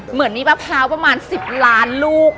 เหมือนมีมะพร้าวประมาณ๑๐ล้านลูก